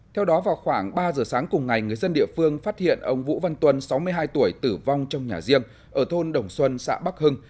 theo đó vào khoảng ba giờ sáng cùng ngày người dân địa phương phát hiện ông vũ văn tuân sáu mươi hai tuổi tử vong trong nhà riêng ở thôn đồng xuân xã bắc hưng